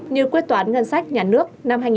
như quyết toán ngân sách nhà nước